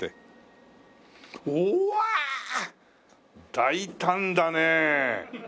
大胆だねえ！